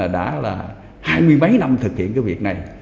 đã là hai mươi mấy năm thực hiện cái việc này